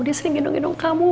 dia sering gendong gendong kamu